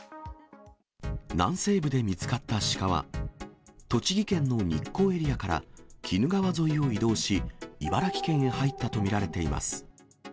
南西部で見つかったシカは、栃木県の日光エリアから鬼怒川沿いを移動し、茨城県へ入ったと見られています。